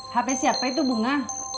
hp siapa itu bunga